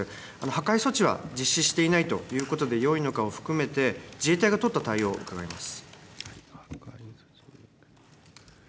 破壊措置は実施していないということでよいのかということも含めて、自衛隊が取った対応を伺います。